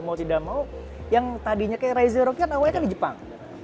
mau tidak mau yang tadinya kayak raizerok kan awalnya kan di jepang